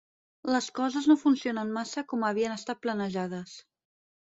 Les coses no funcionen massa com havien estat planejades.